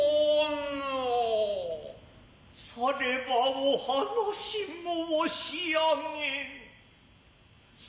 さればお話申し上げん。